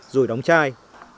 rồi đóng chai